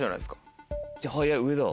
じゃあ速い上だ。